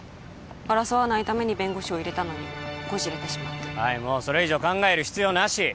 争わないために弁護士を入れたのにこじれてしまってはいもうそれ以上考える必要なし！